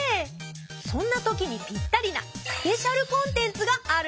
そんなときにぴったりなスペシャルコンテンツがあるんだよ！